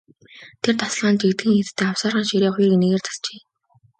Тэр тасалгаанд жигдхэн хийцтэй авсаархан ширээ хоёр эгнээгээр засжээ.